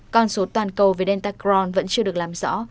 con số toàn cầu về delta cron vẫn chưa được làm rõ